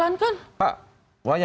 yang mana yang menurut anda menerima